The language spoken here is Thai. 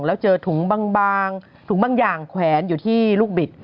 แล้วเจอถุงบางถุงบางอย่างแขวนอยู่ที่ลูกบิด